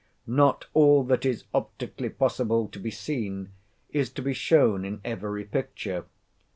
Not all that is optically possible to be seen, is to be shown in every picture.